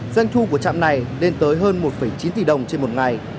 doanh thu của trạm này lên tới hơn một chín tỷ đồng trên một ngày